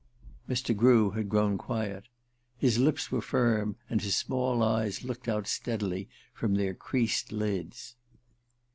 Mr. Grew had grown quiet. His lips were firm, and his small eyes looked out steadily from their creased lids.